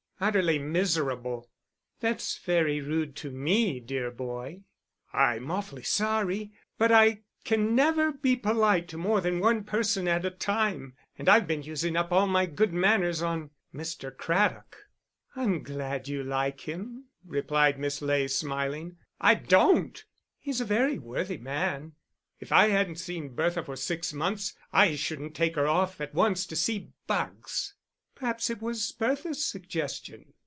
"Utterly miserable!" "That's very rude to me, dear boy." "I'm awfully sorry, but I can never be polite to more than one person at a time: and I've been using up all my good manners on Mr. Craddock." "I'm glad you like him," replied Miss Ley, smiling. "I don't!" "He's a very worthy man." "If I hadn't seen Bertha for six months, I shouldn't take her off at once to see bugs." "Perhaps it was Bertha's suggestion."